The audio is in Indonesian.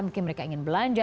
mungkin mereka ingin belanja